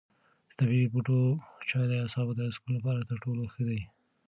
د طبیعي بوټو چای د اعصابو د سکون لپاره تر ټولو ښه دی.